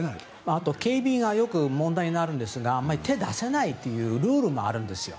あと警備がよく問題になるんですが手を出せないというルールもあるんですよ。